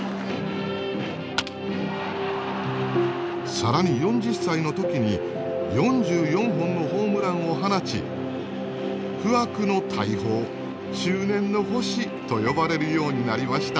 更に４０歳の時に４４本のホームランを放ち「不惑の大砲」「中年の星」と呼ばれるようになりました。